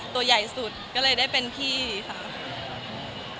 ตัวใหญ่สุดก็เลยได้เป็นพี่ค่ะ